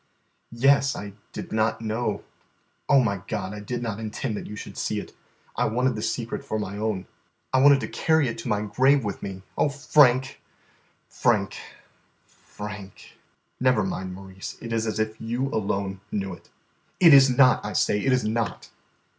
"Yes, I did not know " "Oh, my God, I did not intend that you should see it. I wanted the secret for my own. I wanted to carry it to my grave with me. Oh, Frank, Frank, Frank!" "Never mind, Maurice. It is as if you alone knew it." "It is not, I say, it is not!"